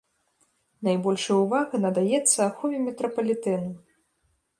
Найбольшая ўвага надаецца ахове метрапалітэну.